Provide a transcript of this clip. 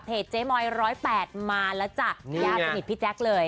เทศเจ๊มอย๑๐๘มาแล้วจ้ะย้าจมิตพี่แจ๊คเลย